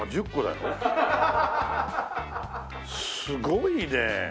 すごいねえ。